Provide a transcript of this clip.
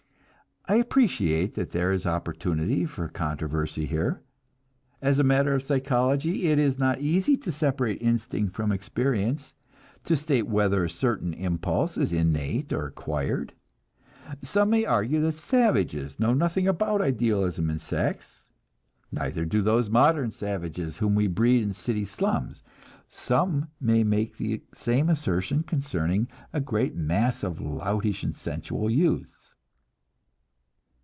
I appreciate that there is opportunity for controversy here. As a matter of psychology, it is not easy to separate instinct from experience, to state whether a certain impulse is innate or acquired. Some may argue that savages know nothing about idealism in sex, neither do those modern savages whom we breed in city slums; some may make the same assertion concerning a great mass of loutish and sensual youths.